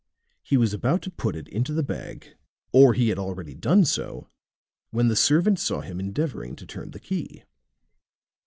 He was about to put it into the bag, or he had already done so, when the servant saw him endeavoring to turn the key."